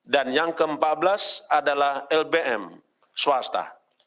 dan yang keempat belas adalah lbm swasta